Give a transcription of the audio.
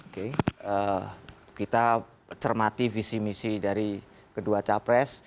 kita cermati visi misi dari kedua capres